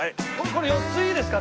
これ４ついいですか？